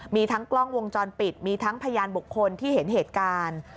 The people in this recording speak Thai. มีทั้งกล้องวงจรปิดมีทั้งพยานบุคคลที่เห็นเหตุการณ์